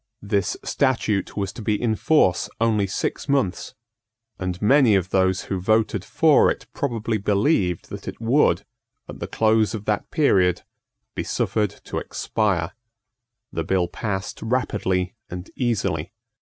This statute was to be in force only six months; and many of those who voted for it probably believed that it would, at the close of that period, be suffered to expire. The bill passed rapidly and easily.